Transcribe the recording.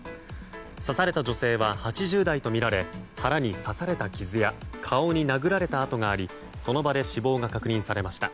刺された女性は８０代とみられ腹に刺された傷や顔に殴られた痕がありその場で死亡が確認されました。